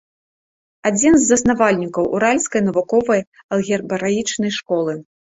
Адзін з заснавальнікаў уральскай навуковай алгебраічнай школы.